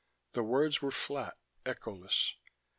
The words were flat, echoless.